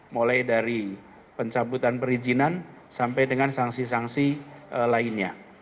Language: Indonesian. mulai dari pencabutan perizinan sampai dengan sanksi sanksi lainnya